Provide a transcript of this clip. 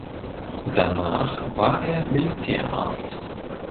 Danach war er Militärarzt.